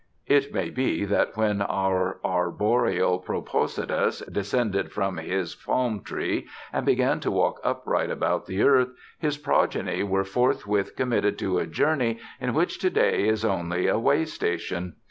It may be that when our arboreal propositus descended from his palm tree and began to walk upright about the earth, his progeny were forthwith committed to a journey in which to day is only a way station.